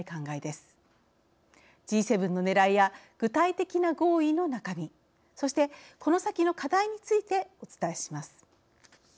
Ｇ７のねらいや具体的な合意の中身そしてこの先の課題についてお伝えします。